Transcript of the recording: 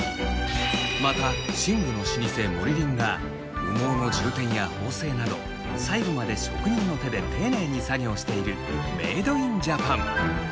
また寝具の老舗モリリンが羽毛の充填や縫製など最後まで職人の手で丁寧に作業しているメイド・イン・ジャパン